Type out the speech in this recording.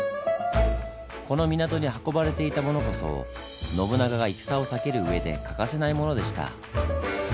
この港に運ばれていたものこそ信長が戦を避ける上で欠かせないものでした。